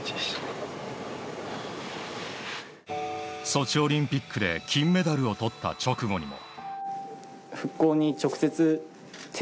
ソチオリンピックで金メダルをとった直後にも。